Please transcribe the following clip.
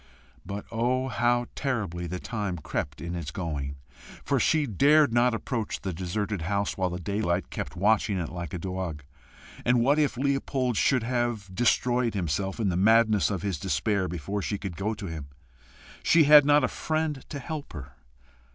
But oh, how terribly the time crept in its going! for she dared not approach the deserted house while the daylight kept watching it like a dog; and what if Leopold should have destroyed himself in the madness of his despair before she could go to him! She had not a friend to help her.